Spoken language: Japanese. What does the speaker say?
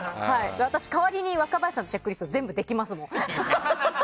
私、代わりに若林さんのチェックリストできますもん。